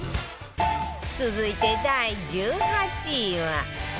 続いて第１８位は